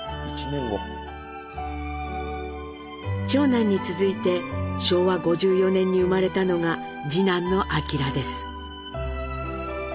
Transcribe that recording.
長男に続いて昭和５４年に生まれたのが次男の明です。